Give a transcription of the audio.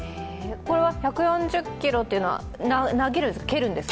これは１４０キロというのは投げるんですか、蹴るんですか？